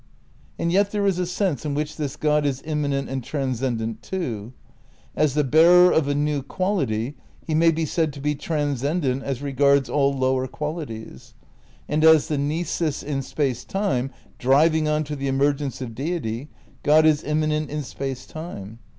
And yet there is a sense in which this God is imma nent and transcendent, too. As the bearer of a new qimlity he may be said to be transcendent as regards all lower qualities; and as the nisus in Space Time driving on to the emergence of Deity God is immanent in Space Time.